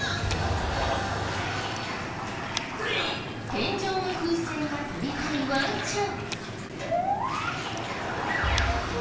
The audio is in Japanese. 天井の風船が取りたいワンちゃん。